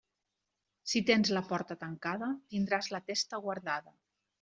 Si tens la porta tancada, tindràs la testa guardada.